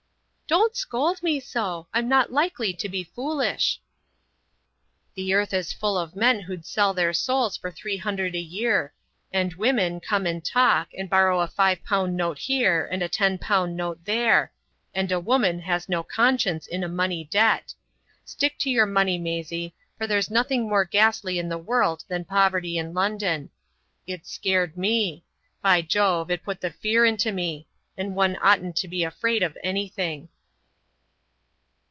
"Don't scold me so! I'm not likely to be foolish." "The earth is full of men who'd sell their souls for three hundred a year; and women come and talk, and borrow a five pound note here and a ten pound note there; and a woman has no conscience in a money debt. Stick to your money, Maisie, for there's nothing more ghastly in the world than poverty in London. It's scared me. By Jove, it put the fear into me! And one oughtn't to be afraid of anything."